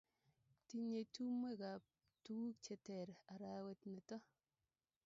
tinyei tumwekab tuguk che ter arawet nito